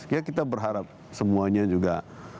ya kita berharap semuanya juga